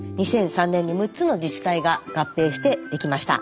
２００３年に６つの自治体が合併してできました。